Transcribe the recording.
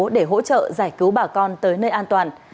để hỗ trợ giải cứu bà con tới nơi an toàn